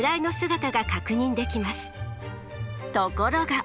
ところが。